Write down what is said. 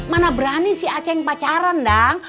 mana berani si acing pacaran dang